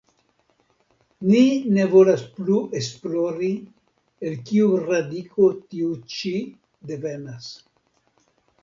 Ni ne volas plu esplori, el kiu radiko tio ĉi devenas.